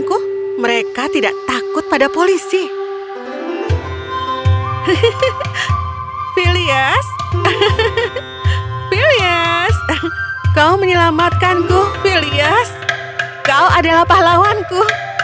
filias kau menyelamatkanku filias kau adalah pahlawanku